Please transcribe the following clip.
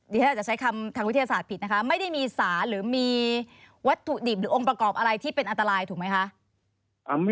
ที่ฉันอาจจะใช้คำทางวิทยาศาสตร์ผิดนะคะไม่ได้มีสารหรือมีวัตถุดิบหรือองค์ประกอบอะไรที่เป็นอันตรายถูกไหมคะ